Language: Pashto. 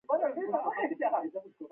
قهوه د فکر غښتلي لوری دی